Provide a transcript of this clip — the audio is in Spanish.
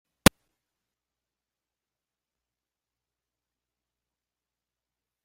Cumple un papel muy importante en la Revolución Industrial.